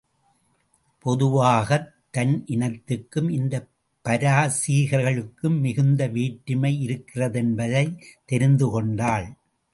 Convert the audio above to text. பொதுவாகத் தன் இனத்துக்கும் இந்தப் பாரசீகர்களுக்கும் மிகுந்த வேற்றுமை இருக்கிறதென்பதைத் தெரிந்துகொண்டாள்.